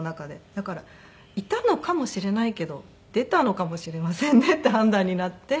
だからいたのかもしれないけど出たのかもしれませんねって判断になって。